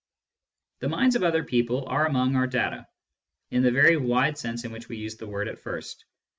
The minds of other people are among our data, in the very wide sense in which we used the word at first.